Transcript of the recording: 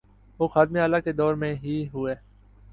وہ خادم اعلی کے دور میں ہی ہوئے۔